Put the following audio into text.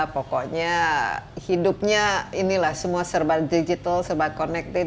pokoknya hidupnya inilah semua serba digital serba connected